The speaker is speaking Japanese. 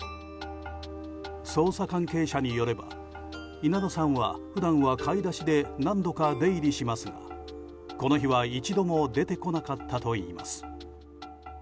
捜査関係者によれば稲田さんは、普段は買い出しで何度か出入りしますがこの日は一度も出てこなかったといいます。